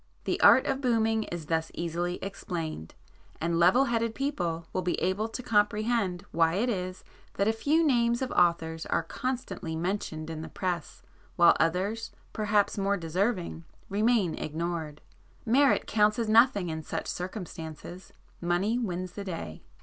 The art of 'booming' is thus easily explained, and level headed people will be able to comprehend why it is that a few names of authors are constantly mentioned in the press, while others, perhaps more deserving, remain ignored. Merit counts as nothing in such circumstances,—money wins the day.